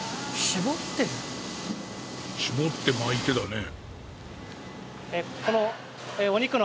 絞って巻いてだね。